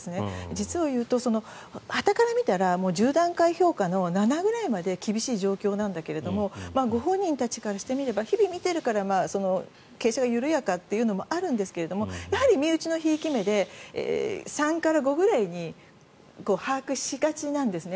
実を言うとはたから見たら１０段階評価の７ぐらいまで厳しい状況なんだけれどもご本人たちからしてみれば日々、見ているから傾斜が緩やかというのもあるんですがやはり身内のひいき目で３から５くらいに把握しがちなんですね。